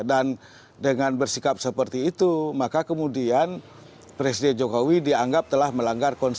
dan dengan bersikap seperti itu maka kemudian presiden jokowi dianggap telah melanggar konstitusi